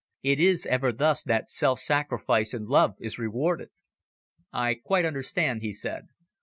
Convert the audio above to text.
It is ever thus that self sacrifice in love is rewarded. "I quite understand," he said.